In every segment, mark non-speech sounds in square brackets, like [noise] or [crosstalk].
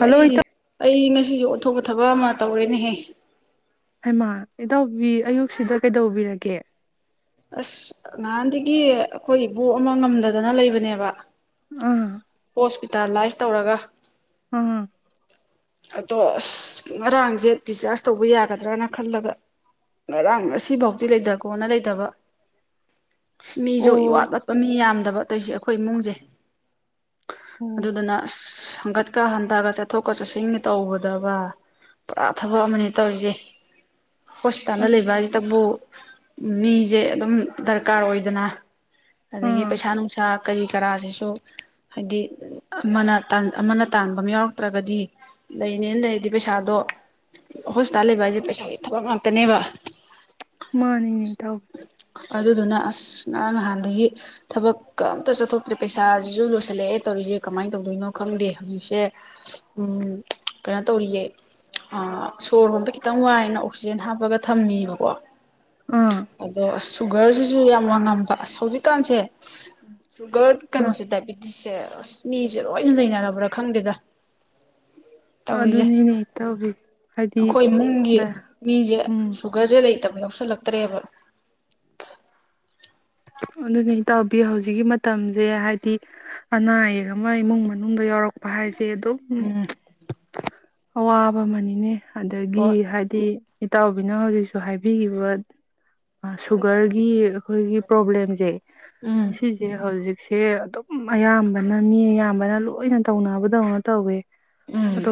Hello ꯑꯩ ꯏꯇꯥꯎ ꯑꯩ ꯁꯤꯁꯨ ꯑꯊꯨꯞꯕ ꯊꯕꯛ ꯑꯃ ꯇꯧꯔꯦꯅꯦꯍꯦ ꯍꯥꯏꯩꯃꯥꯗ ꯑꯌꯨꯛꯁꯤꯗ ꯀꯩꯗꯧꯕꯤꯔꯒꯦ ꯑꯁ ꯉꯥꯟꯗꯤ ꯏ ꯑꯩꯈꯣꯏ ꯏ ꯕꯣ ꯑꯃ ꯉꯝꯗꯗꯅ ꯂꯩꯕꯅꯦꯕ ꯎꯝ ꯍꯣꯁꯄꯤꯇꯥꯂꯥꯏꯁ ꯇꯧꯔꯒ ꯍꯝ ꯑꯗꯣ ꯑꯁ ꯉꯔꯥꯡꯁꯦ ꯗꯤꯆꯥꯔꯖ ꯇꯧꯕ ꯌꯥꯒꯗ꯭ꯔꯅ ꯈꯜꯂꯒ ꯉꯔꯥꯡ ꯉꯁꯤꯐꯥꯎꯗꯤ ꯂꯩꯗ ꯀꯣꯅ ꯂꯩꯇꯕ ꯃꯤꯁꯨ ꯏꯋꯥꯠ ꯑꯣ ꯋꯥꯠꯄ ꯃꯤ ꯌꯥꯝꯗꯕ ꯑꯇꯩꯁꯦ ꯑꯩꯈꯣꯏ ꯏꯃꯨꯡꯁꯦ ꯑꯣ ꯑꯗꯨꯗꯨꯅ ꯑꯁ ꯍꯥꯡꯒꯠꯀ ꯍꯟꯊꯒ ꯆꯠꯊꯣꯛꯀꯠ ꯆꯠꯁꯤꯟ ꯇꯧꯕꯗꯕ ꯄꯨꯔꯥ ꯊꯕꯛ ꯑꯃꯅꯤ ꯇꯧꯔꯤꯁꯦ ꯍꯣꯁꯄꯤꯇꯥꯜꯗ ꯑꯁ ꯂꯩꯕ ꯍꯥꯏꯁꯤꯗꯕꯨ ꯃꯤꯁꯦ ꯑꯗꯨꯝ ꯗꯔꯀꯥꯔ ꯑꯣꯏꯗꯅ ꯑꯗꯒꯤ ꯑꯥ ꯄꯩꯁꯥ ꯅꯨꯡꯁꯥ ꯀꯔꯤ ꯀꯔꯥꯁꯤꯁꯨ ꯍꯥꯏꯗꯤ ꯑꯃꯅ ꯑꯃꯅ ꯇꯥꯟꯕ ꯑꯃ ꯌꯥꯎꯔꯛꯇ꯭ꯔꯒꯗꯤ ꯂꯩꯅꯦꯅ ꯂꯩꯔꯗꯤ ꯄꯩꯁꯥꯗꯣ ꯍꯣꯁꯄꯤꯇꯥꯜ ꯂꯩꯕ ꯍꯥꯏꯁꯦ ꯄꯩꯁꯥꯒꯤ ꯊꯕꯛ ꯉꯥꯛꯇꯅꯦꯕ ꯃꯥꯅꯤꯅꯦꯇ ꯑꯗꯨꯗꯨꯅ ꯑꯁ ꯉꯍꯥꯟ ꯅꯍꯥꯟꯗꯒꯤ ꯊꯕꯛ ꯀ ꯑꯝꯇ ꯆꯠꯊꯣꯛꯇ꯭ꯔꯦ ꯄꯩꯁꯥꯁꯤꯁꯨ ꯂꯣꯏ ꯍꯜꯂꯛꯦ ꯇꯧꯔꯤꯁꯦ ꯀꯃꯥꯏ ꯇꯧꯗꯣꯏꯅꯣ ꯈꯪꯗꯦ ꯍꯧꯖꯤꯛꯁꯦ ꯎꯝ ꯀꯩꯅꯣ ꯇꯧꯔꯤꯌꯦ ꯁꯣꯔ ꯍꯣꯟꯝꯗ ꯈꯤꯇꯪ ꯋꯥꯏꯅ ꯑꯣꯛꯁꯤꯖꯦꯟ ꯍꯥꯞꯄꯒ ꯊꯝꯃꯤꯕꯀꯣ ꯑꯥ ꯑꯗꯣ ꯁꯨꯒꯔꯁꯤꯁꯨ ꯌꯥꯝ ꯋꯥ ꯉꯝꯕ ꯑꯁ ꯍꯧꯖꯤꯛꯀꯥꯟꯁꯦ ꯁꯨꯒꯔ ꯑꯥ ꯀꯩꯅꯣꯁꯦ ꯇꯥꯏꯞ ꯑꯗꯨꯁꯦ ꯑꯁ ꯃꯤꯁꯦ ꯂꯣꯏꯅ ꯅꯩꯅꯔꯕ꯭ꯔꯥ ꯈꯪꯗꯦꯗ ꯇꯧꯔꯤꯁꯦ ꯑꯗꯨꯅꯤꯅꯦ ꯏꯇꯥꯎꯕꯤ ꯍꯥꯏꯗꯤ ꯑꯩꯈꯣꯏ ꯏꯃꯨꯡꯒꯤ ꯗ ꯃꯤꯁꯦ ꯎꯝ ꯁꯨꯒꯔꯁꯦ ꯂꯩ ꯂꯧꯁꯟ ꯂꯇꯔꯦꯕ ꯑꯗꯨꯅ ꯏꯇꯥꯎꯕꯤ ꯍꯧꯖꯤꯛꯀꯤ ꯃꯇꯝꯁꯦ ꯍꯥꯏꯗꯤ ꯑꯅꯥ ꯑꯌꯦꯛ ꯑꯃ ꯏꯃꯨꯡ ꯃꯅꯨꯡꯗ ꯌꯥꯎꯔꯛꯄ ꯍꯥꯏꯁꯦ ꯀꯗꯣ ꯎꯝ ꯑꯋꯥꯕ ꯑꯃꯅꯤꯅꯦ ꯑꯗꯒꯤ ꯍꯣꯏ ꯍꯥꯏꯗꯤ ꯏꯇꯥꯎꯕꯤꯅ ꯍꯧꯖꯤꯛꯁꯨ ꯍꯥꯏꯕꯤꯈꯤꯕ ꯁꯨꯒꯔꯒꯤ [unintelligible] ꯄꯣꯕ꯭ꯂꯦꯝꯁꯦ ꯎꯝ ꯁꯤꯁꯦ ꯍꯧꯖꯤꯛ ꯁꯦ ꯑꯗꯨꯝ ꯑꯌꯥꯝꯕꯅ ꯃꯤ ꯑꯌꯥꯝꯕꯅ ꯂꯣꯏꯅꯥ ꯇꯧꯅꯕꯗꯧꯅ ꯇꯧꯋꯦ ꯎꯝ ꯑꯗꯣ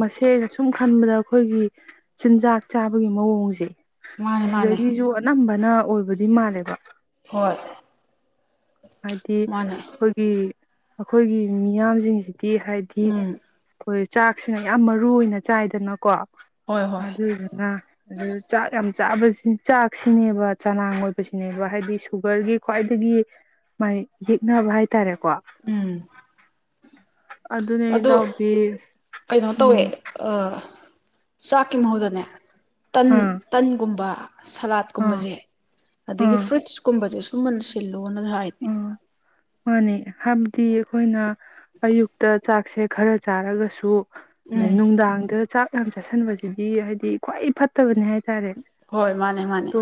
ꯃꯁꯦꯒꯁꯨ ꯁꯨꯝ ꯈꯟꯕꯗ ꯑꯩꯈꯣꯏꯒꯤ ꯆꯤꯟꯖꯥꯛ ꯆꯥꯕꯒꯤ ꯃꯑꯣꯡꯁꯦ ꯃꯥꯅꯦ ꯃꯥꯅꯦ ꯁꯤꯗꯒꯤꯁꯨ ꯑꯅꯝꯕ ꯅ ꯑꯣꯏꯕꯗꯤ ꯃꯥꯜꯂꯦꯕ ꯍꯣꯏ꯫ ꯍꯥꯏꯗꯤ ꯃꯥꯅꯦ ꯑꯩꯈꯣꯏꯒꯤ ꯑꯩꯈꯣꯏꯒꯤ ꯃꯤꯌꯥꯝꯁꯤꯡꯁꯤ ꯍꯥꯏꯗꯤ ꯎꯝ ꯑꯩꯈꯣꯏ ꯆꯥꯛꯁꯤꯅ ꯌꯥꯝ ꯃꯔꯨ ꯑꯣꯏꯅ ꯆꯥꯏꯗꯅꯀꯣ ꯍꯣꯏ ꯍꯣꯏ ꯑꯗꯨꯗꯨꯅ ꯑꯗꯨ ꯆꯥꯛ ꯌꯥꯝ ꯆꯥꯕ ꯆꯥꯛꯁꯤꯅꯦꯕ ꯆꯅꯥꯥꯡ ꯑꯣꯏꯕꯁꯤꯅꯦꯕ ꯍꯥꯏꯗꯤ ꯁꯨꯒꯔꯒꯤ ꯈ꯭ꯋꯥꯏꯗꯒꯤ ꯃꯥꯥꯏ ꯌꯦꯛꯅꯕ ꯍꯥꯏꯇꯥꯔꯦ ꯎꯝ ꯑꯗꯨꯅꯦ ꯑꯗꯣ ꯏꯇꯥꯎꯕꯤ ꯀꯩꯅꯣ ꯇꯧꯋꯦ ꯎꯝ ꯑ ꯆꯥꯀꯤ ꯃꯍꯨꯠ ꯇꯥꯅꯦ ꯇꯟ ꯑꯥ ꯇꯟꯒꯨꯝꯕ ꯑꯥ ꯁꯂꯥꯠꯀꯨꯝꯕꯁꯦ ꯑꯗꯒꯤ ꯑꯥ ꯐ꯭ꯔꯨꯏꯠꯁ ꯀꯨꯝꯕꯁꯦ [unintelligible] [unintelligible] ꯑꯥ ꯃꯥꯅꯦ ꯍꯥꯏꯕꯗꯤ ꯑꯩꯈꯣꯏꯅ ꯑꯌꯨꯛꯇ ꯆꯥꯛꯁꯦ ꯈꯔ ꯆꯥꯔꯒꯁꯨ ꯑꯗꯩ ꯎꯝ ꯅꯨꯡꯗꯥꯡꯗ ꯆꯥꯛ ꯌꯥꯝ ꯆꯥꯁꯟꯕꯁꯤꯗꯤ ꯍꯥꯏꯗꯤ ꯈ꯭ꯋꯥꯏ ꯐꯠꯇꯕꯅꯤ ꯍꯥꯏ ꯍꯣꯏ ꯃꯥꯅꯦ- ꯃꯥꯅꯦ꯫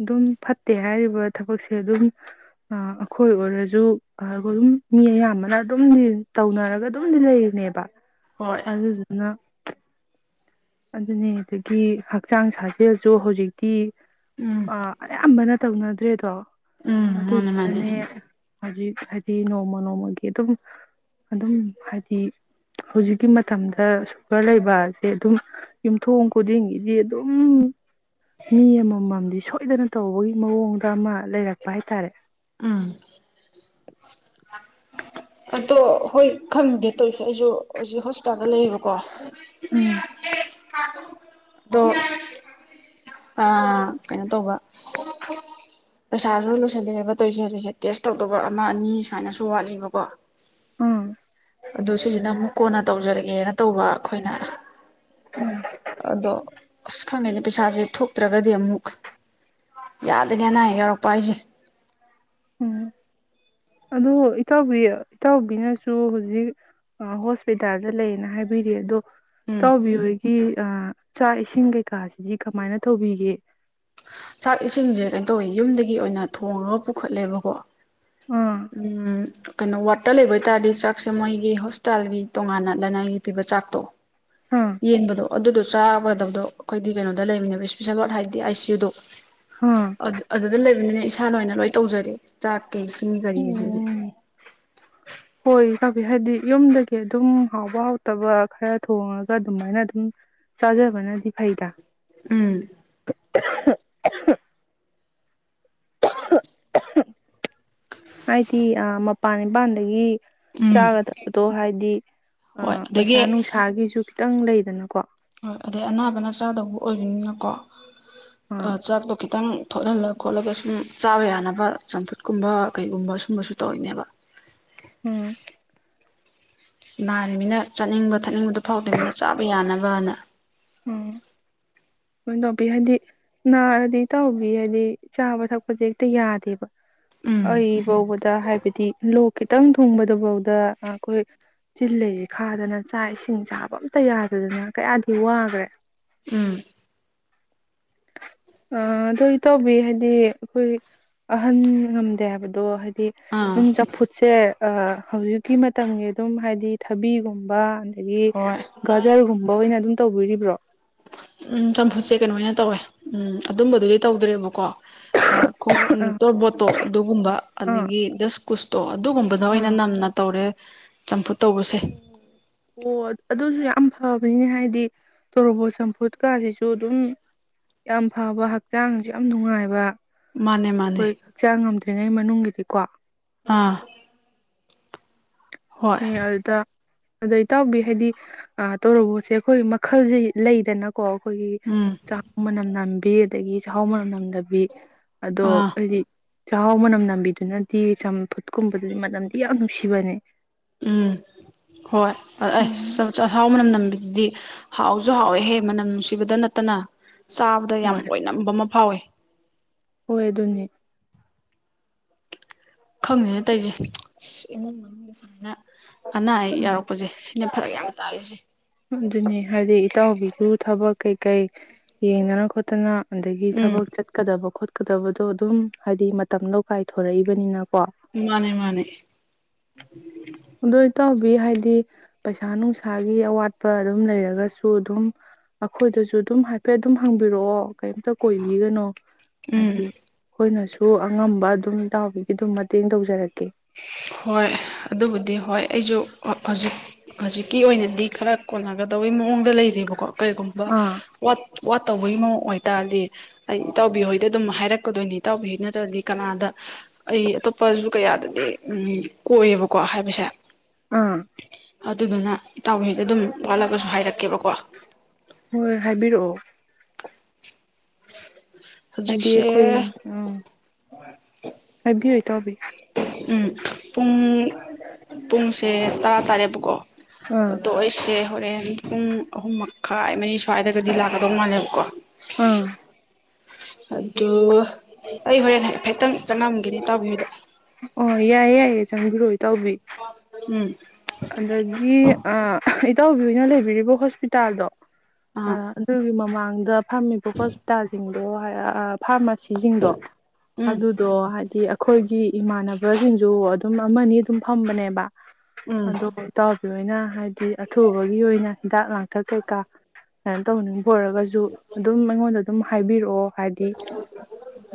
ꯑꯗꯨꯝ ꯐꯠꯇꯦ ꯍꯥꯏꯔꯤꯕ ꯊꯕꯛꯁꯦ ꯑꯗꯨꯝ ꯑꯩꯈꯣꯏ ꯑꯣꯏꯔꯁꯨ ꯑꯩꯈꯣꯏ ꯑꯗꯨꯝ ꯃꯤ ꯑꯌꯥꯝꯕꯅ ꯑꯗꯨꯝ ꯇꯧꯅꯔꯒ ꯑꯗꯨꯝꯗꯤ ꯂꯩꯌꯦ ꯅꯦꯕ ꯍꯣꯏ ꯑꯗꯨꯗꯨꯅ ꯑꯗꯨꯅꯦ ꯑꯗꯨꯗꯒꯤ ꯍꯛꯆꯥꯡ ꯁꯥꯖꯦꯜꯁꯨ ꯍꯧꯖꯤꯛꯇꯤ ꯎꯝ ꯑ ꯑꯌꯝꯕꯅ ꯇꯧꯅꯗ꯭ꯔꯦꯗꯣ ꯎꯝ ꯃꯥꯅꯦ ꯃꯥꯅꯦ ꯑꯗꯨꯅꯦ ꯍꯧꯖꯤꯛ ꯍꯥꯏꯗꯤ ꯅꯣꯡꯃ ꯅꯣꯡꯃꯒꯤ ꯑꯗꯨꯝ ꯑꯗꯨꯝ ꯍꯥꯏꯗꯤ ꯍꯧꯖꯤꯛꯀꯤ ꯃꯇꯝꯗ ꯁꯨꯒꯔ ꯂꯩꯕꯁꯦ ꯑꯗꯨꯝ ꯌꯨꯝꯊꯣꯡ ꯈꯨꯗꯤꯡꯒꯤꯗꯤ ꯑꯗꯨꯝ ꯃꯤ ꯑꯃꯃꯝꯗꯤ ꯁꯣꯏ ꯁꯣꯏꯗꯅ ꯇꯧꯕꯒꯤ ꯃꯑꯣꯡꯗ ꯑꯃ ꯂꯩꯔꯛꯄ ꯍꯥꯏꯇꯥꯔꯦ ꯎꯝ ꯑꯗꯣ ꯍꯣꯏ ꯈꯪꯗꯦ ꯇꯧꯁꯨ ꯑꯩꯁꯨ ꯍꯧꯖꯤꯛ ꯍꯣꯁꯄꯤꯇꯥꯜꯗ ꯂꯩꯌꯦꯕꯀꯣ ꯎꯝ ꯗꯣ ꯑ ꯀꯩꯅꯣ ꯇꯧꯕ ꯄꯩꯁꯥꯁꯨ ꯂꯣꯏꯁꯤꯜꯂꯑꯦꯕ ꯇꯧꯔꯤꯁꯦ ꯇꯣꯏꯏꯁꯦ ꯇꯦꯁ ꯇꯧꯗꯧꯕ ꯑꯃ ꯑꯅꯤ ꯁꯨꯃꯥꯏꯅꯁꯨ ꯋꯥꯠꯂꯤꯕꯀꯣ ꯎꯝ ꯑꯗꯨ ꯁꯤꯁꯤꯅ ꯑꯃꯨꯛ ꯀꯣꯟꯅ ꯇꯧꯖꯔꯒꯦꯅ ꯇꯧꯕ ꯑꯩꯈꯣꯏꯅ ꯎꯝ ꯑꯗꯣ ꯑꯁ ꯈꯪꯗꯦꯅꯦ ꯄꯩꯁꯥꯁꯦ ꯊꯣꯛꯇ꯭ꯔꯒꯗꯤ ꯑꯃꯨꯛ ꯌꯥꯗꯦꯅꯦ ꯑꯅꯥ ꯑꯌꯦꯛ ꯌꯥꯎꯔꯛꯄ ꯍꯥꯏꯁꯦ ꯎꯝ ꯑꯗꯣ ꯏꯇꯥꯎꯕꯤ ꯏꯇꯥꯎꯕꯤꯅꯁꯨ ꯍꯧꯖꯤꯛ ꯍꯣꯁꯄꯤꯇꯥꯜꯗ ꯂꯩꯌꯦꯅ ꯍꯥꯏꯕꯤꯔꯤ ꯑꯗꯣ ꯎꯝ ꯏꯇꯥꯎꯕꯤꯍꯣꯏꯒꯤ ꯑ ꯆꯥꯛ ꯏꯁꯤꯡ ꯀꯩꯀꯥꯁꯤꯗꯤ ꯀꯃꯥꯏꯅ ꯇꯧꯕꯤꯒꯦ ꯆꯥꯛ ꯏꯁꯤꯡꯁꯦ ꯀꯩꯅꯣ ꯇꯧꯋꯦ ꯌꯨꯝꯗꯒꯤ ꯑꯣꯏꯅ ꯊꯣꯡꯡꯂꯒ ꯄꯨꯈꯠꯂꯦꯕꯀꯣ ꯑꯥ ꯎꯝ ꯀꯩꯅꯣ ꯋꯥꯔꯠꯇ ꯂꯩꯕ ꯑꯣꯏ ꯇꯥꯔꯗꯤ ꯆꯥꯛꯁꯦ ꯃꯣꯏꯒꯤ ꯍꯣꯁꯄꯤꯇꯥꯜꯒꯤ ꯇꯣꯉꯥꯟꯅ ꯂꯅꯥꯏꯒꯤ ꯄꯤꯕ ꯆꯥꯛꯇꯣ ꯑꯥ ꯌꯦꯟꯕꯗꯣ ꯑꯗꯨꯗꯣ ꯆꯥꯒꯗꯕꯗꯣ ꯑꯩꯈꯣꯏꯒꯤ ꯀꯩꯅꯣꯗ ꯂꯩꯃꯤꯅꯦꯕ ꯏꯁꯄꯤꯁꯦꯜ ꯋꯥꯔꯗ ꯍꯥꯏꯕꯗꯤ ꯑꯥꯏ ꯁꯤ ꯌꯨ ꯗꯣ ꯑꯥ ꯑꯗꯨ ꯑꯗꯨꯗ ꯂꯩꯕꯅꯦ ꯑꯩ ꯏꯁꯥ ꯂꯣꯏꯅ ꯂꯣꯏ ꯇꯧꯖꯔ ꯆꯥꯛꯀꯤꯁꯦ ꯀ ꯀꯔꯤꯁꯤꯖ ꯑꯣ ꯀꯕꯤ ꯍꯥꯏꯗꯤ ꯌꯨꯝꯗꯒꯤ ꯑꯗꯨꯝ ꯍꯥꯎꯕ ꯍꯥꯎꯇꯕ ꯈꯔ ꯊꯣꯡꯉꯒ ꯑꯗꯨꯃꯥꯏꯅ ꯑꯗꯨꯝ ꯆꯥꯖꯕꯅꯗꯤ ꯐꯩꯗ ꯎꯝ ꯍꯥꯏꯗꯤ ꯃꯄꯥꯟ ꯅꯤꯄꯥꯟꯗꯒꯤ ꯎꯝ ꯆꯥꯒ ꯊꯛꯄꯗꯣ ꯍꯥꯏꯗꯤ ꯑ ꯍꯣꯏ ꯄꯩꯁꯥ ꯑꯗꯒꯤ ꯅꯨꯡꯁꯥꯒꯤꯁꯨ ꯈꯤꯇꯪ ꯂꯩꯗꯅꯀꯣ ꯍꯣꯏ ꯑꯗꯩ ꯑꯅꯥꯕꯅ ꯆꯥꯗꯧꯕ ꯑꯣꯏꯕꯅꯤꯅꯀꯣ ꯑ ꯑꯥ ꯆꯥꯛꯇꯣ ꯈꯤꯇꯪ ꯊꯣꯠꯍꯜꯂ ꯈꯣꯠꯂꯒ ꯁꯨꯝ ꯆꯥꯕ ꯌꯥꯅꯕ ꯆꯝꯐꯨꯠꯀꯨꯝꯕ ꯀꯩꯒꯨꯝꯕ ꯁꯨꯝꯕꯁꯨ ꯇꯧꯔꯤꯅꯦꯕ ꯎꯝ ꯅꯥꯔꯤꯕꯃꯤꯅ ꯆꯠꯅꯤꯡꯕ ꯊꯛꯅꯤꯡꯕꯗꯨꯣ ꯐꯥꯎꯗꯅꯤꯅ ꯆꯥꯕ ꯌꯥꯅꯕꯅ ꯎꯝ ꯀ ꯇꯧꯕꯤ ꯍꯥꯏꯗꯤ ꯅꯥꯔꯗꯤ ꯇꯥꯎꯕꯤ ꯍꯥꯏꯗꯤ ꯆꯥꯕ ꯊꯛꯄꯗꯤ ꯍꯦꯛꯇ ꯌꯥꯗꯦꯕ ꯎꯝ ꯑꯩ ꯐꯥꯎꯕꯗ ꯍꯥꯏꯕꯤꯗꯤ ꯍꯥꯏꯗꯤ ꯂꯣꯛ ꯈꯤꯇꯪ ꯊꯣꯡꯕꯗꯐꯥꯎꯗ ꯑꯩꯈꯣꯏ ꯆꯤꯜꯂꯁꯤ ꯈꯥꯗꯅ ꯆꯥꯛ ꯏꯁꯤꯡ ꯆꯥꯕ ꯑꯝꯇ ꯌꯥꯗꯗꯅ ꯀꯌꯥꯗꯤ ꯋꯥꯡ ꯐꯦ ꯎꯝ ꯑꯗꯨ ꯇꯧꯕꯤ ꯍꯥꯏꯗꯤ ꯑꯩꯈꯣꯏ ꯑꯍꯟ ꯉꯝꯗꯦ ꯍꯥꯏꯕꯗꯣ ꯍꯥꯏꯗꯤ ꯑꯥ ꯑꯗꯨꯝ ꯆꯝꯐꯨꯠꯁꯦ ꯍꯧꯖꯤꯛꯀꯤ ꯃꯇꯝꯒꯤ ꯑꯗꯨꯝ ꯍꯥꯏꯗꯤ ꯊꯕꯤꯒꯨꯝꯕ ꯍꯥꯏꯗꯤ ꯍꯣꯏ ꯒꯖꯥꯔꯒꯨꯝꯕ ꯑꯣꯏꯅ ꯑꯗꯨꯝ ꯇꯧꯕꯤꯔꯤꯕ꯭ꯔꯣ ꯎꯝ ꯆꯝꯐꯨꯠꯁꯦ ꯀꯩꯅꯣ ꯑꯣꯏꯅ ꯇꯧꯋꯦ ꯎꯝ ꯑꯗꯨꯝꯕꯗꯨꯗꯤ ꯇꯧꯗ꯭ꯔꯦꯕꯀꯣ ꯑꯥ ꯇꯣꯔꯕꯣꯠꯇꯣ ꯑꯗꯨꯒꯨꯝꯕ ꯑꯗꯒꯤ ꯗꯁ ꯀꯨꯁꯇꯣ ꯑꯗꯨꯒꯨꯝꯕꯗ ꯑꯣꯏꯅ ꯅꯝꯅ ꯇꯧꯔꯦ ꯆꯝꯄꯠ ꯑꯣ ꯑꯣ ꯑꯗꯨꯁꯨ ꯌꯥꯝ ꯐꯕꯅꯤꯅ ꯍꯥꯏꯗꯤ ꯇꯣꯔꯣꯕꯣꯠ ꯆꯝꯐꯨꯠꯀꯥꯁꯤꯁꯨ ꯑꯗꯨꯝ ꯌꯥꯝ ꯐꯕ ꯍꯛꯆꯥꯡꯁꯨ ꯌꯥꯝ ꯅꯨꯡꯉꯥꯏꯕ ꯃꯥꯅꯦ ꯃꯥꯅꯦ ꯍꯣꯏ ꯍꯛꯆꯥꯡ ꯉꯝꯗ ꯂꯩ꯭ꯔꯤꯉꯩ ꯃꯅꯨꯡꯒꯤꯗꯤ ꯀꯣ ꯑ ꯃꯤ ꯑꯜꯗ ꯑꯗꯣ ꯏꯇꯥꯎꯕꯤ ꯍꯥꯏꯗꯤ ꯑ ꯇꯧꯔ ꯄꯣꯠꯁꯦ ꯑꯩꯈꯣꯏ ꯃꯈꯜꯁ ꯂꯩꯗꯅ ꯀꯣ ꯑꯩꯈꯣꯏꯒꯤ ꯎꯝ ꯆꯥꯛ ꯃꯅꯝ ꯅꯅꯥꯟ ꯄꯄꯤ ꯑꯗꯒꯤ ꯆꯥꯛꯍꯥꯎ ꯃꯔꯝ ꯅꯝꯗꯕ ꯑꯗꯣ ꯑꯥ ꯍꯥꯏꯗꯤ ꯆꯥꯛꯍꯥꯎ ꯃꯅꯝ ꯅꯝꯕꯤꯗꯨꯅꯗꯤ ꯆꯝꯐꯨꯠꯀꯨꯝꯕꯗꯨꯗꯤ ꯃꯅꯝꯗꯤ ꯌꯥꯝ ꯅꯨꯡꯁꯤꯕꯅꯦ ꯎꯝ ꯍꯣꯏ ꯑꯩ ꯎꯝ ꯆꯥꯛꯍꯥꯎ ꯃꯅꯝ ꯅꯝꯕꯤꯒ ꯑꯗꯨꯗꯤ ꯍꯥꯎꯁꯨ ꯍꯥꯎꯋꯦꯍꯦ ꯃꯅꯝ ꯅꯨꯡꯁꯤꯕꯗ ꯅꯠꯇꯅ ꯆꯥꯕꯗ ꯌꯥꯝ ꯍꯣꯏ ꯂꯕ ꯑꯃ ꯐꯥꯎꯋꯤ ꯍꯣꯏ ꯑꯗꯨꯅꯦ ꯈꯪꯅꯦꯦꯅ ꯇꯧꯁꯦ ꯑ ꯏꯃꯨꯡ ꯃꯅꯨꯡꯒꯤ ꯁꯨꯃꯥꯏꯅ ꯑꯅꯥ ꯑꯌꯦꯛ ꯌꯥꯎꯔꯛꯄꯁꯦ ꯁꯤꯅ ꯐꯔꯛ ꯌꯥꯝ ꯇꯥꯔꯤꯁꯦ ꯑꯗꯨꯅꯤ ꯍꯥꯏꯗꯤ ꯏꯇꯥꯎꯕꯤꯁꯨ ꯊꯕꯛ ꯀꯩꯀꯩ ꯌꯦꯡꯗꯅ ꯈꯣꯠꯇꯅ ꯑꯗꯒꯤ ꯎꯝ ꯊꯕꯛ ꯆꯠꯀꯗꯕ ꯈꯣꯄ ꯆꯀꯗꯕꯗꯣ ꯑꯗꯨꯝ ꯍꯥꯏꯗꯤ ꯃꯇꯝ ꯂꯧ ꯀꯥꯏꯊꯣꯔꯛꯏꯕꯅꯤꯅꯀꯣ ꯃꯥꯅꯦ ꯃꯥꯅꯦ ꯕꯤ ꯍꯥꯏꯗꯤ ꯄꯩꯁꯥ ꯅꯨꯡꯁꯥꯒꯤ ꯑꯋꯥꯠꯄ ꯑꯗꯨꯝ ꯂꯩꯔꯒꯁꯨ ꯑꯗꯨꯝ ꯑꯩꯈꯣꯏꯗꯁꯨ ꯑꯗꯨꯝ ꯍꯥꯏꯐꯦꯠ ꯑꯗꯨꯝ ꯍꯪꯕꯤꯔꯛꯑꯣ ꯀꯔꯤꯝꯇ ꯀꯣꯏꯕꯤꯒꯅꯣ ꯎꯝ ꯍꯥꯏꯗꯤ ꯑꯩꯈꯣꯏꯅꯁꯨ ꯑꯗꯨ ꯑꯉꯝꯕ ꯑꯗꯨꯝ ꯏꯇꯥꯎꯕꯤꯒꯤ ꯑꯗꯨꯝ ꯃꯇꯦꯡ ꯇꯧꯖꯔꯛꯀꯦ ꯍꯣꯏ ꯑꯗꯨꯕꯨꯗꯤ ꯍꯣꯏ ꯑꯩꯁꯨ ꯍꯧꯖꯤꯛ ꯍꯧꯖꯤꯛꯀꯤ ꯑꯣꯏꯅꯗꯤ ꯈꯔ ꯀꯣꯟꯅꯒꯗꯩ ꯃꯑꯣꯡꯗ ꯂꯩꯀꯣ ꯀꯩꯒꯨꯝꯕ ꯑꯥ ꯋꯥꯠ ꯋꯥꯠ ꯇꯧꯕꯒꯤ ꯃꯑꯣꯡ ꯑꯣꯏꯇꯥꯔꯗꯤ ꯑꯩ ꯏꯇꯥꯎꯕꯤꯍꯣꯏꯗ ꯑꯗꯨꯝ ꯍꯥꯏꯔꯛꯀꯗꯣꯏꯅꯤ ꯏꯇꯥꯎꯕꯤꯍꯣꯏ ꯅꯠꯇ꯭ꯔꯗꯤ ꯀꯅꯥꯗ ꯑꯩ ꯑꯇꯣꯞꯄꯁꯨ ꯀꯌꯥ ꯎꯝ ꯀꯣꯢꯌꯦꯕꯀꯣ ꯍꯥꯏꯕꯁꯦ ꯑꯥ ꯑꯗꯨꯗꯨꯅ ꯏꯇꯥꯎꯍꯍꯩꯗ ꯑꯗꯨꯝ ꯋꯥꯠꯂꯒꯁꯨ ꯍꯥꯏꯔꯛꯀꯦꯕꯀꯣ ꯍꯣꯏ ꯍꯥꯏꯕꯤꯔꯛꯑꯣ ꯍꯥꯏꯗꯤ ꯑꯩꯈꯣꯏ ꯑꯥ ꯍ ꯍꯥꯏꯕꯤ ꯏꯇꯥꯎꯕꯤ ꯎꯝ ꯄꯨꯡ ꯄꯨꯡꯁꯦ ꯇꯔꯥ ꯇꯥꯔꯦꯕꯀꯣ ꯑꯥ ꯑꯗꯣ ꯑꯩꯁꯦ ꯍꯣꯔꯦꯟ ꯄꯨꯡ ꯑꯍꯨꯝ ꯃꯈꯥꯏ ꯃꯔꯤ ꯁ꯭ꯋꯥꯏꯗꯒꯗꯤ ꯂꯥꯛꯀꯗꯧ ꯃꯥꯜꯂꯦꯕꯀꯣ [unintelligible] ꯑꯥ ꯑꯗꯨ ꯑꯩ ꯍꯣꯔꯦꯟ ꯍꯥꯢꯐꯦꯠꯇꯪ ꯆꯪꯉꯝꯒꯦꯅꯤ ꯇꯥꯎꯕꯤꯍꯣꯢꯗ ꯑꯣ ꯌꯥꯏꯌꯦ ꯌꯥꯏꯌꯦ ꯆꯪꯕꯤꯔꯛꯑꯣ ꯏꯇꯥꯎꯕꯤ ꯎꯝ ꯑꯗꯒꯤ ꯑ ꯑꯍ ꯏꯇꯥꯎꯕꯤꯍꯣꯢꯅ ꯂꯩꯕꯤꯔꯤꯕ ꯍꯣꯁꯄꯤꯇꯥꯜꯗꯣ ꯑ ꯑꯥ ꯑꯗꯨꯒꯤꯃꯃꯥꯡ [unintelligible] ꯐꯝꯃꯤꯕ ꯍꯣꯁꯄꯤꯇꯥꯜ ꯑꯣ ꯍꯥꯌꯥ ꯑꯞ ꯐꯥꯔꯃꯥꯁꯤꯁꯤꯡꯗꯣ ꯎꯝ ꯑꯗꯨꯗꯣ ꯍꯥꯏꯗꯤ ꯑꯩꯈꯣꯏꯒꯤ ꯏꯃꯥꯟꯅꯕꯁꯤꯡꯁꯨ ꯑꯗꯨꯝ ꯑꯃꯅꯤ ꯑꯗꯨꯝ ꯐꯝꯕꯅꯦꯕ ꯎꯝ ꯑꯗꯣ ꯂꯣꯏꯅ ꯍꯥꯏ ꯑꯊꯨꯕꯒꯤ ꯑꯣꯏꯅ ꯍꯤꯗꯥꯛ ꯂꯥꯡꯊꯛ ꯀꯩꯀꯥ ꯀꯃꯥꯏꯅ ꯇꯧꯅꯤꯡ ꯑꯣꯢꯔꯒꯁꯨ ꯑꯗꯨꯝ ꯑꯩꯉꯣꯟꯗ ꯑꯗꯨꯝ ꯍꯥꯏꯕꯤꯔꯛꯑꯣ ꯍꯥꯏꯗꯤ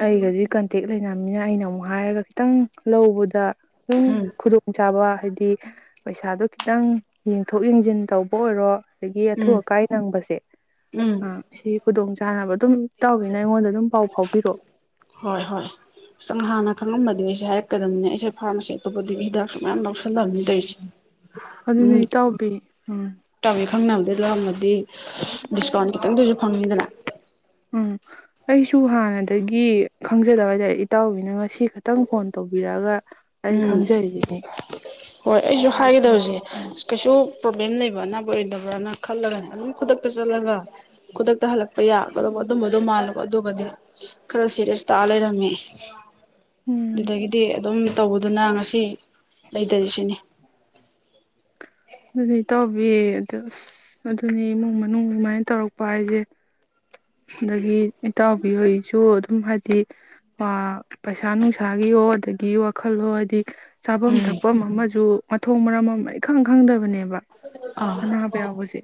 ꯑꯩꯒꯗꯤ ꯀꯟꯇꯦꯛ ꯂꯩꯅꯕꯅꯤꯅ ꯑꯩꯅ ꯑꯃꯨꯛ ꯍꯥꯏꯔꯒ ꯈꯤꯇꯪ ꯂꯧꯕꯗ ꯑꯗꯨꯝ ꯎꯝ ꯈꯨꯗꯣꯡꯆꯥꯥꯕ ꯍꯥꯏꯗꯤ ꯄꯩꯁꯥꯗꯣ ꯈꯤꯇꯪ ꯌꯦꯡꯊꯣꯛ ꯌꯦꯡꯖꯤꯟ ꯇꯧꯕ ꯑꯣꯏꯔꯣ ꯑꯗꯒꯤ ꯑꯊꯨ ꯎꯝ ꯑꯀꯥꯏ ꯅꯪꯕꯁꯦ ꯎꯝ ꯑ ꯁꯤ- ꯈꯨꯗꯣꯡ ꯆꯥꯅꯕ ꯗꯨꯝ ꯏꯇꯥꯎꯕꯤꯅ ꯑꯩꯉꯣꯟꯗ ꯑꯗꯨꯝ ꯄꯥꯎ ꯐꯥꯎꯕꯤꯔꯛꯑꯣ ꯍꯣꯏ ꯖꯦ ꯍꯥꯏꯔꯛꯀꯗꯝꯅꯤꯅꯦ ꯑꯩꯁꯦ ꯐꯥꯔꯃꯥꯁꯤ ꯑꯇꯣꯞꯄꯗꯒꯤ ꯍꯤꯗꯥꯛꯁꯨ ꯃꯌꯥꯝ ꯂꯧꯁꯤꯜꯂꯕꯅꯤ ꯇꯧꯔꯤꯖꯦ ꯑꯗꯨꯅꯦ ꯏꯇꯥꯎꯕꯤ ꯎꯝ ꯏꯇꯥꯎꯕꯤ ꯈꯪꯅꯕꯗꯩ ꯂꯩꯔꯝꯃꯗꯤ ꯗꯤꯁꯀꯥꯎꯟ ꯈꯤꯇꯪꯗꯁꯨ ꯐꯪꯅꯤꯗꯅ ꯎꯝ ꯑꯩꯁꯨ ꯍꯥꯟꯅꯗꯒꯤ ꯈꯪꯖꯗꯕ ꯍꯥꯏꯇꯥꯔꯦ ꯏꯇꯥꯎꯕꯤꯅ ꯉꯁꯤ ꯈꯛꯇꯪ ꯐꯣꯟ ꯇꯧꯕꯤꯔꯛꯑꯒ ꯑꯩ ꯎꯝ ꯈꯪꯖꯔꯤꯁꯤꯅꯤ ꯍꯣꯏ ꯑꯩꯖꯨ ꯑꯗꯨ ꯍꯥꯏꯒꯗꯕꯁꯦ ꯑꯣ ꯑꯁ ꯀꯩꯁꯨ ꯄ꯭ꯔꯣꯕ꯭ꯂꯦꯝ ꯂꯩꯕ ꯑꯅꯥꯕ ꯑꯣꯏꯔꯣꯏꯗꯕ꯭ꯔꯅ ꯈꯜꯂꯒꯅꯦ ꯑꯗꯨꯝ ꯈꯨꯗꯛꯇ ꯆꯠꯂꯒ ꯈꯨꯗꯛꯇ ꯍꯜꯂꯛꯄ ꯌꯥꯒꯗꯧꯕ ꯑꯗꯨꯝꯕꯗꯣ ꯃꯥꯜꯂꯨꯕ ꯑꯗꯨꯒꯗꯤ ꯈꯔ ꯁꯦꯔꯤꯌꯁ ꯇꯥ ꯂꯩꯔꯝꯃꯦ ꯎꯝ ꯑꯗꯨꯗꯒꯤꯗꯤ ꯑꯗꯨꯝ ꯇꯧꯕꯗꯨꯅ ꯉꯁꯤ ꯂꯩꯇꯔꯤꯁꯤꯅꯤ ꯑꯗꯨꯗꯤ ꯏꯇꯥꯎꯕꯤ ꯑꯗ ꯑꯁ ꯑꯗꯨꯅꯤ ꯏꯃꯨꯡ ꯃꯅꯨꯡ ꯑꯗꯨꯃꯥꯏꯅ ꯇꯧꯔꯛꯄ ꯍꯥꯏꯖꯦ ꯑꯗꯒꯤ ꯏꯇꯥꯎꯕꯤꯍꯣꯏꯁꯨ ꯑꯗꯨꯝ ꯍꯥꯏꯗꯤ ꯄꯥ ꯄꯩꯁꯥ ꯅꯨꯡꯁꯥꯒꯤꯌꯣ ꯑꯗꯒꯤ ꯋꯥꯈꯜꯍꯣ ꯍꯥꯏꯗꯤ ꯆꯥꯕꯝ ꯎꯝ ꯊꯛꯄꯝ ꯑꯃꯁꯨ ꯃꯊꯣꯡ ꯃꯔꯝ ꯑꯃ ꯏꯈꯪ ꯈꯪꯗꯕꯅꯦꯕ ꯑꯥ ꯑꯅꯥꯕ ꯌꯥꯎꯕꯖꯦ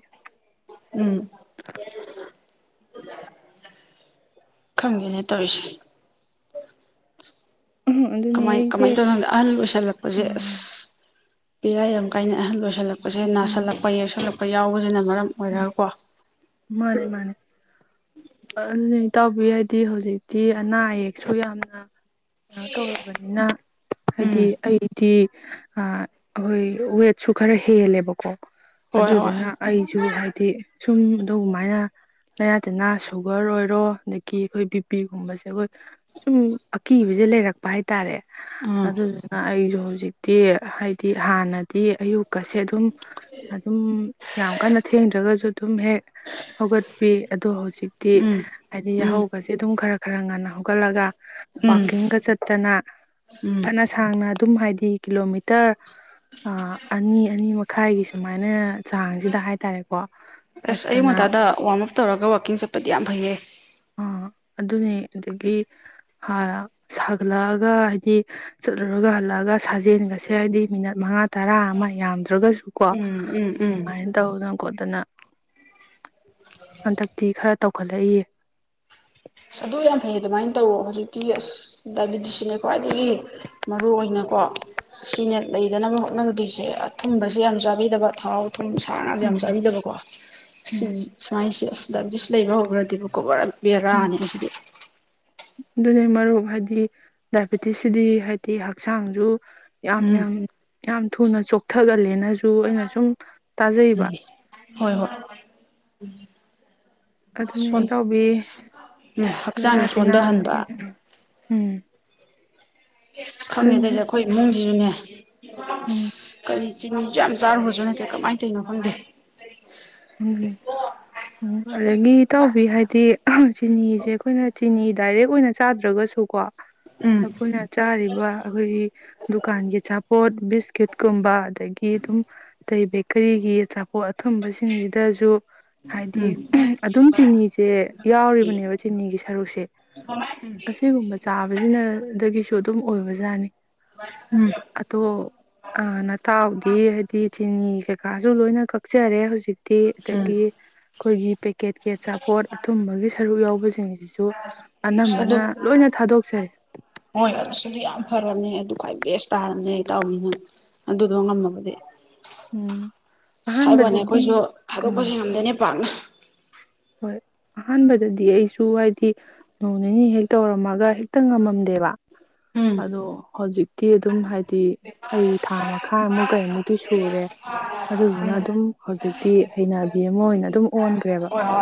ꯎꯝ ꯈꯪꯗꯦꯅꯦ ꯇꯧꯔꯤꯁꯦ ꯑꯗꯨꯅꯦ ꯀꯃꯥꯏ ꯑꯩꯁꯦ ꯀꯃꯥꯏ ꯇꯧꯏꯅꯣ ꯈꯪꯗꯦ ꯑꯍꯜ ꯑꯣꯏꯁꯜꯂꯛꯄꯖꯦ ꯑꯁ ꯎꯝ ꯕꯦꯔꯥ ꯌꯥꯝ ꯀꯥꯏꯅꯦ ꯑꯍꯜ ꯑꯣꯏꯁ- ꯁꯜꯂꯛꯄꯁꯦ ꯎꯝ ꯅꯥꯁꯜꯂꯛꯄ ꯌꯦꯛꯁꯜꯂꯛꯄ ꯑꯩ ꯌꯥꯎꯕꯅꯤꯅ ꯃꯔꯝ ꯑꯣꯏꯔꯒꯀꯣ ꯃꯥꯅꯦ ꯃꯥꯅꯦ ꯑꯗꯨ ꯏꯇꯥꯎꯕꯤ ꯍꯥꯏꯗꯤ ꯍꯧꯖꯤꯛꯇꯤ ꯑꯅꯥ ꯑꯌꯦꯛꯁꯨ ꯌꯥꯝꯅ ꯀꯩꯅꯣ ꯇꯧꯔꯕꯅꯤꯅ ꯍꯥꯏꯗꯤ ꯎꯝ ꯑꯩꯗꯤ ꯑꯥ ꯍꯣꯏ ꯋꯦꯠꯁꯨ ꯈꯔ ꯍꯦꯜꯂꯦꯕ ꯀꯣ ꯍꯣꯏ ꯍꯣꯏ ꯑꯗꯨꯗꯨꯅ ꯑꯩꯁꯨ ꯍꯥꯏ ꯊꯤ ꯁꯨꯝ ꯑꯗꯨꯒꯨꯃꯥꯏꯅ ꯂꯩꯌꯥ ꯇꯤꯟꯅꯥ ꯁꯨ- ꯑꯗꯒꯤ ꯑꯩꯈꯣꯏ ꯕꯤ ꯄꯤꯒꯨꯝꯕꯁꯦ ꯑꯩꯈꯣꯏ ꯁꯨꯝ ꯑꯀꯤꯕꯖꯦ ꯂꯩꯔꯛꯄ ꯍꯥꯏꯇꯥꯔꯦ ꯎꯝ ꯑꯗꯨꯗꯨꯅ ꯑꯩꯖꯨ ꯍꯧꯖꯤꯛ ꯍꯧꯖꯤꯛꯇꯤ ꯍꯥꯏꯗꯤ ꯍꯥꯟꯅꯗꯤ ꯑꯌꯨꯛꯀꯁꯦ ꯑꯗꯨꯝ ꯑꯗꯨꯝ- ꯌꯥꯝ ꯀꯟꯅ ꯊꯦꯡꯗ꯭ꯔꯒꯁꯨ ꯑꯗꯨꯝ ꯍꯦꯛ ꯍꯧꯒꯠꯄꯤ ꯑꯗꯣ ꯍꯧꯖꯤꯛ ꯇꯤ ꯎꯝ ꯍꯥꯏꯗꯤ ꯎꯝ ꯌꯥꯍꯧꯒꯁꯦ ꯑꯗꯨꯝ ꯈꯔ ꯈꯔ ꯉꯟꯅ ꯍꯧꯒꯠꯂꯒ ꯎꯝ ꯋꯥꯀꯤꯡꯒ ꯆꯠꯇꯅ ꯎꯝ ꯐꯅ ꯁꯥꯡꯅ ꯑꯗꯨꯝ ꯍꯥꯏꯗꯤ ꯍꯥꯏꯗꯤ ꯀꯤꯂꯣꯃꯤꯇꯔ ꯑꯅꯤ ꯑꯅꯤ ꯃꯈꯥꯏꯒꯤ ꯁꯨꯃꯥꯏꯅ ꯆꯥꯡꯁꯤꯗ ꯍꯥꯏꯇꯥꯔꯦꯀꯣ ꯑꯁ ꯆꯠꯇꯅ ꯑꯩꯌꯨꯛꯉꯟꯇꯥꯗ ꯋꯥꯔꯝ ꯑꯞ ꯇꯧꯔꯒ ꯀꯤꯡ ꯆꯠꯄꯗꯤ ꯌꯥꯝ ꯐꯩꯌꯦ [unintelligible] ꯑꯥ ꯑꯗꯨꯅꯤ ꯑꯗꯒꯤ ꯁꯥꯒꯠꯂꯛꯑꯒ ꯍꯥꯏꯗꯤ ꯆꯠꯂꯨꯔꯒ ꯍꯜꯂꯛꯑꯒ ꯁꯥꯖꯦꯟꯒꯁꯦ ꯍꯥꯏꯗꯤ ꯃꯤꯅꯠ ꯃꯉꯥ ꯇꯔꯥ ꯑꯃ ꯌꯥꯝꯗ꯭ꯔꯒꯁꯨꯀꯣ ꯎꯝ ꯎꯝ ꯎꯝ ꯑꯗꯨꯃꯥꯏꯅ ꯇꯧꯗꯅ ꯈꯣꯠꯇꯅ ꯍꯟꯗꯛꯇꯤ ꯈꯔ ꯇꯧꯈꯠꯂꯛꯏꯌꯦ ꯑꯁ ꯑꯗꯨ ꯌꯥꯝ ꯐꯩ ꯑꯗꯨꯃꯥꯏꯅ ꯇꯧꯔꯣ ꯍꯧꯖꯤꯛꯇꯤ ꯑꯁ ꯗꯥꯏꯕꯤꯦꯇꯤꯁꯁꯤꯅꯦ ꯈ꯭ꯋꯥꯏꯗꯒꯤ ꯃꯔꯨꯏ ꯑꯣꯏꯅꯀꯣ ꯁꯤꯅꯦ ꯂꯩꯗꯅꯕ ꯍꯣꯠꯅꯅꯕꯗꯣꯏꯁꯦ ꯑꯊꯨꯝꯕꯁꯦ ꯌꯥꯝ ꯆꯥꯕꯤꯗꯕ ꯊꯥꯎ ꯊꯨꯝ ꯁꯥꯅꯥꯁꯨ ꯌꯥꯝ ꯎꯝ ꯆꯥꯕꯤꯗꯕꯀꯣ ꯁꯤ ꯎꯝ ꯁꯨꯃꯥꯏꯅꯁꯤꯦ ꯑꯁ ꯗꯥꯏꯕꯤꯇꯤꯁ ꯂꯩꯕ ꯍꯧꯈ꯭ꯔꯗꯤꯕꯀꯣ ꯕꯔ ꯕꯔꯥꯅꯦ ꯑꯥꯁꯤꯗꯤ ꯑꯗꯨꯅ ꯃꯔꯨꯞ ꯍꯥꯏꯗꯤ ꯗꯥꯏꯕꯦꯇꯤꯁꯁꯤꯗꯤ ꯍꯥꯏꯗꯤ ꯍꯛꯆꯥꯡꯁꯨ ꯌꯥꯝ ꯎꯝ ꯌꯥꯝ ꯌꯥꯝ ꯊꯨꯅ ꯆꯣꯛꯊꯍꯜꯂꯦꯅꯁꯨ ꯑꯩꯅ ꯁꯨꯝ ꯇꯖꯩꯔꯤꯕ ꯎꯝ ꯍꯣꯏ ꯍꯣꯏ ꯎ ꯑꯗꯨꯅ ꯏꯇꯥꯎꯕꯤ ꯂꯥꯏꯅꯥ ꯍꯛꯆꯥꯡꯁꯦ ꯇꯤꯟꯅꯥ ꯁꯣꯟꯊꯍꯟꯕ ꯎꯝ ꯑꯗꯨꯅ ꯈꯪꯉꯦꯗꯁꯦ ꯑꯩꯈꯣꯏ ꯏꯃꯨꯡꯁꯤꯁꯨꯅꯦ ꯎꯝ ꯀꯔꯤ ꯆꯤꯅꯤꯁꯨ ꯌꯥꯝ ꯆꯥꯔꯨꯨꯔꯁꯨ ꯅꯠꯇꯦ ꯀꯃꯥꯏꯅ ꯇꯧꯔꯤꯅꯣ ꯈꯪꯗꯦ ꯎꯝ ꯎꯝ ꯑꯗꯒꯤ ꯏꯇꯥꯎꯕꯤ ꯍꯥꯏꯗꯤ ꯆꯤꯅꯤꯁꯦ ꯑꯩꯈꯣꯏꯅ ꯆꯤꯅꯤ ꯗꯥꯏꯔꯦꯛ ꯑꯣꯏꯅ ꯆꯥꯗ꯭ꯔꯒꯁꯨ ꯀꯣ ꯎꯝ ꯑꯩꯈꯣꯏꯅ ꯆꯥꯔꯤꯕ ꯑꯩꯈꯣꯏꯒꯤ ꯗꯨꯀꯥꯟꯒꯤ ꯑꯆꯥꯄꯣꯠꯕꯤ ꯕꯤꯁꯀ꯭ꯨꯠꯀꯨꯝꯕ ꯑꯗꯒꯤ ꯑꯗꯨꯝ ꯑꯇꯩ ꯕꯦꯀꯔꯤꯒꯤ ꯑꯆꯥꯄꯣꯠ ꯑꯊꯨꯝ ꯁꯤꯡꯁꯤꯗꯁꯨ ꯍꯥꯏꯗꯤ ꯎꯝ ꯑꯗꯨꯝ ꯆꯤꯅꯤꯁꯦ ꯌꯥꯎꯔꯤꯕꯅꯦꯕ ꯆꯤꯅꯤꯒꯤ ꯁꯔꯨꯛꯁꯦ ꯑꯁꯤꯒꯨꯝꯕ ꯆꯥꯕꯁꯤꯅꯗꯒꯤꯁꯨ ꯑꯗꯨꯝ ꯑꯣꯏꯕꯖꯥꯠꯅꯤ ꯎꯝ ꯎꯝ ꯑꯗꯣ ꯑꯥ ꯅꯇꯥꯎꯗꯤ ꯍꯥꯏꯗꯤ ꯆꯤꯅꯤ ꯀꯩꯀꯥꯁꯨ ꯂꯣꯏꯅ ꯀꯛꯆꯔꯦ ꯍꯧꯖꯤꯛꯤ ꯗꯤ ꯑꯁ ꯑꯗꯨꯗꯒꯤ ꯑꯩꯈꯣꯏꯒꯤ ꯀꯦꯠ ꯀꯦꯠ ꯑꯆꯥꯄꯣꯠ ꯑꯊꯨꯝꯕꯒꯤ ꯁꯔꯨꯛ ꯌꯥꯎꯕꯁꯤꯡꯁꯤꯁꯨ ꯑꯗꯨ ꯑꯅꯝꯕꯅ ꯂꯣꯏꯅ ꯊꯥꯗꯣꯛꯆꯩ ꯍꯣꯏ ꯇꯥꯔꯕꯝꯅꯦ ꯑꯩ ꯇꯥꯎꯕꯅꯤꯅ ꯑꯗꯨꯗꯣ ꯉꯝꯃꯕꯗꯤ ꯎꯝ ꯁꯥꯏꯕꯣꯟꯅꯦ ꯑꯍꯥꯟꯕꯗꯗꯤ ꯑꯩꯈꯣꯏꯁꯨ ꯑꯥ ꯊꯥꯗꯣꯛꯄꯁ ꯉꯝꯗꯣꯏꯅꯦ ꯋꯥꯥꯡ ꯍꯣꯏ ꯑꯍꯥꯟꯕꯗꯗꯤ ꯑꯩꯁꯨ ꯍꯥꯏꯗꯤ ꯅꯣꯡ ꯅꯤꯅꯤ ꯍꯦꯛ ꯇꯧꯔꯝꯃꯒ ꯍꯦꯛꯇ ꯉꯝꯃꯝꯗꯦꯕ ꯎꯝ ꯑꯗꯣ ꯍꯧꯖꯤꯛ ꯇꯤ ꯑꯗꯨꯝ ꯍꯥꯏꯗꯤ ꯑꯩ ꯊꯥ ꯃꯈꯥꯏꯃꯨꯛ ꯀꯩꯃꯨꯛꯇꯤ ꯁꯨꯔꯦ ꯑꯗꯨꯗꯨꯅ ꯑꯗꯨꯝ ꯍꯧꯖꯤꯛꯇꯤ ꯍꯩꯅꯕꯤ ꯑꯃ ꯑꯣꯏꯅ ꯑꯗꯨꯝ ꯑꯣꯟꯈ꯭ꯔꯦꯕ ꯍꯣꯏ ꯍꯣꯏ